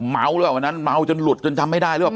เมาด์เลยว่ะวันนั้นเมาด์จนหลุดจนทำไม่ได้เลยว่ะ